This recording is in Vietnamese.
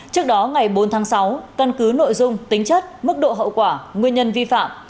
trước đó ngày bốn tháng sáu căn cứ nội dung tính chất mức độ hậu quả nguyên nhân vi phạm